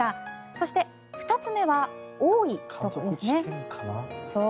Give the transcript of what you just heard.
そして、２つ目は多いですね。